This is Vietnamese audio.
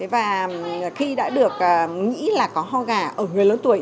và khi đã được nghĩ là có ho gà ở người lớn tuổi